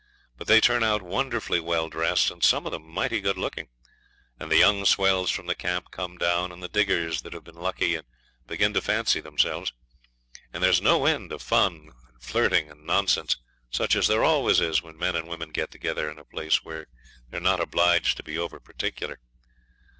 But they turn out wonderfully well dressed, and some of them mighty good looking; and the young swells from the camp come down, and the diggers that have been lucky and begin to fancy themselves. And there's no end of fun and flirting and nonsense, such as there always is when men and women get together in a place where they're not obliged to be over particular.